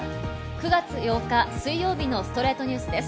９月８日、水曜日の『ストレイトニュース』です。